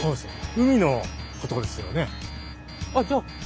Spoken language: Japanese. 海のことですよね。